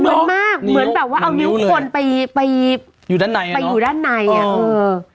เหมือนมากเหมือนแบบว่าเอานิ้วคนไปไปอยู่ด้านในไปอยู่ด้านในอ่ะเออ